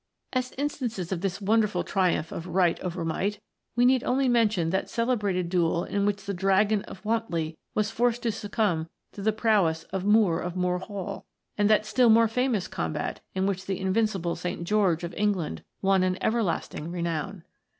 As instances of this wonderful triumph of Right over Might, we need only mention that celebrated duel in which the Dragon of Wantley was forced to succumb to the prowess of Moore of Moore Hall ; and that still more famous combat in which the invincible St. George of England won an everlasting renown.